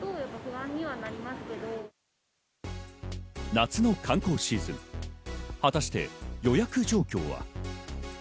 夏の観光シーズン、果たして予約状況は。